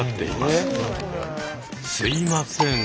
すいません